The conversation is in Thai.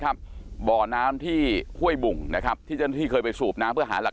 ครับบ่อน้ำที่ค่วยบุ่งนะครับที่จะที่เคยไปสูบน้ำเพื่อหาหลัก